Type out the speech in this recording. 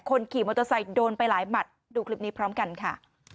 คนขี่มอเตอร์ไซค์โดนไปหลายหมัดดูคลิปนี้พร้อมกันค่ะ